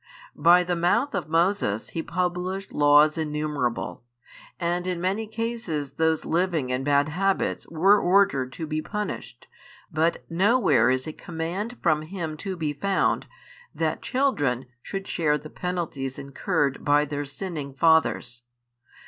By the mouth of Moses He published laws innumerable, and in many cases those living in bad habits were ordered to be punished, but nowhere is a command from Him to be found, that children should share the penalties incurred by their sinning fathers.